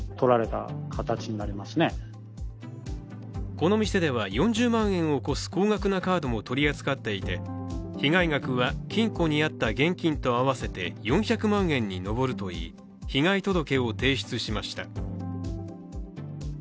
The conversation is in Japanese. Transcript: この店では４０万円を超す高額なカードも取り扱っていて被害額は金庫にあった現金と合わせて４００万円に上るといい被害届を提出しました。